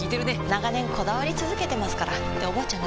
長年こだわり続けてますからっておばあちゃん